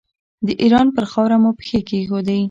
د ایران پر خاوره مو پښې کېښودې.